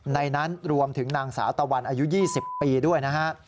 ในนั้นรวมถึงนางสาตวรรค์อายุ๒๐ปีด้วย